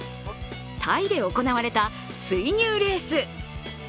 タイで行われた水牛レース。